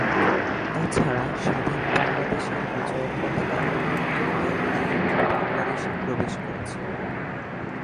তা ছাড়া স্বাধীন বাংলাদেশের বিজয়ের পতাকা এ ইউনিয়ন দিয়ে বাংলাদেশে প্রবেশ করেছিল।